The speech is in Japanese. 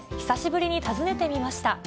久しぶりに訪ねてみました。